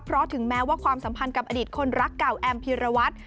เพราะถึงแม้ว่าความสัมพันธ์กับอดีตคนรักเก่าแอมพีรวัตร